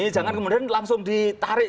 jangan kemudian langsung ditetapkan